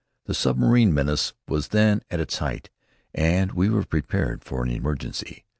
The submarine menace was then at its height, and we were prepared for an emergency.